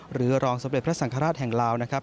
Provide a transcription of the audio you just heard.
หรือรองสมเด็จพระสังฆราชแห่งลาวนะครับ